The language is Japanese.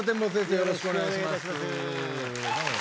よろしくお願いします